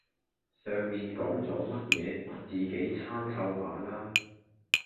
上面講左乜野,自己參透下啦